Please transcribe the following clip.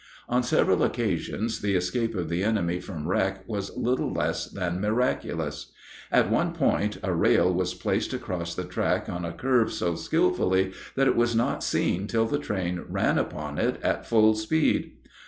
On several occasions the escape of the enemy from wreck was little less than miraculous. At one point a rail was placed across the track on a curve so skilfully that it was not seen till the train ran upon it at full speed.